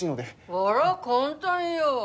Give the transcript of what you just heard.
あら簡単よ。